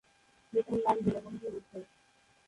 পিতার নাম দীনবন্ধু গুপ্ত।